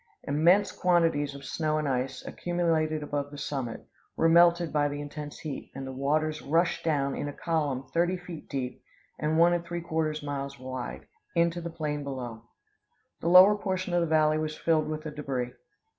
Immense quantities of snow and ice, accumulated about the summit, were melted by the intense heat, and the waters rushed down in a column thirty feet deep and one and three quarters miles wide, into the plain below. The lower portion of the valley was filled with the debris.